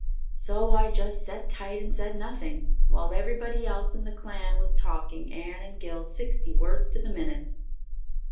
So I just set tight and said nothing, while everybody else in the clan was talking Anne and Gil sixty words to the minute.